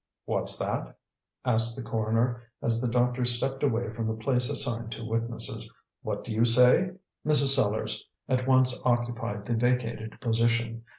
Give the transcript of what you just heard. "What's that?" asked the coroner, as the doctor stepped away from the place assigned to witnesses. "What do you say?" Mrs. Sellars at once occupied the vacated position.